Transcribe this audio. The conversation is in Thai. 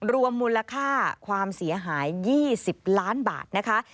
รวมมูลค่าความเสียหาย๒๐ล้านบาทนะคะ